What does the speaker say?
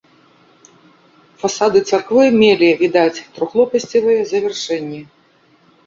Фасады царквы мелі, відаць, трохлопасцевыя завяршэнні.